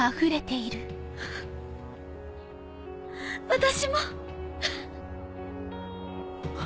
私も。